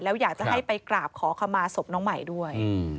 แล้วอยากจะให้ไปกราบขอขมาศพน้องใหม่ด้วย